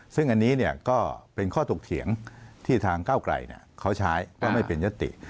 ซึ่งอันนี้เนี่ยก็เป็นข้อตกเถียงที่ทางเก้าไกลเนี่ยเค้าใช้ว่าไม่เป็นยัตติ